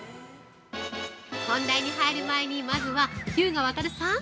本題に入る前にまずは日向亘さん！